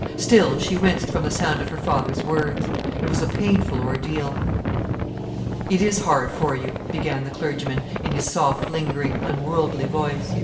Still she winced from the sound of her father's words. It was a painful ordeal. "It is hard for you," began the clergyman in his soft, lingering, unworldly voice.